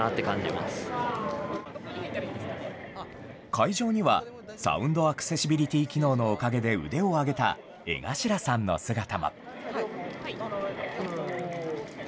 会場には、サウンドアクセシビリティ機能のおかげで腕を上げた江頭さんの姿も。